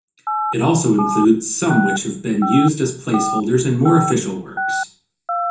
It also includes some which have been used as placeholders in more official works.